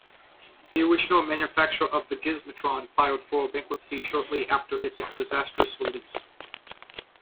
The original manufacturer of the Gizmotron filed for bankruptcy shortly after its disastrous release.